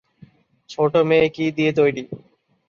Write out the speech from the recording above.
ছোট মেয়ে কি দিয়ে তৈরি?